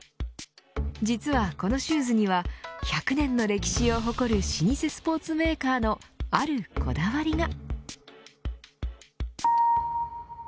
実はこのシューズには１００年の歴史を誇る老舗スポーツメーカーのあるこだわりが。